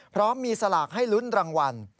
พร้อมมีสลากให้ลุ้นรางวัล